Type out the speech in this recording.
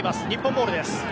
日本ボールです。